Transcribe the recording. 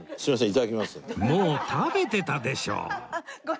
もう食べてたでしょ！